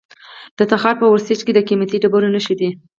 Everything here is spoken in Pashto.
د تخار په ورسج کې د قیمتي ډبرو نښې دي.